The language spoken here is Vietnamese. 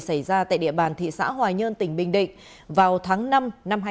xảy ra tại địa bàn thị xã hòa nhơn tỉnh bình định vào tháng năm năm hai nghìn hai mươi ba